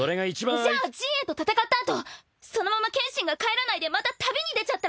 じゃあ刃衛と戦った後そのまま剣心が帰らないでまた旅に出ちゃったらどうするのよ！